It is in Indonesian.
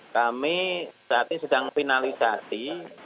kami saat ini sedang finalisasi